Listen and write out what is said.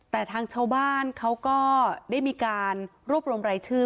แต่ทางชาวบ้านเขาก็ได้มีการรวบรวมรายชื่อ